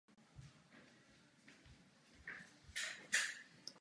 Tři z jeho bratří za války padli.